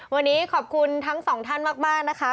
วันนี้ขอบคุณทั้งสองท่านมากนะคะ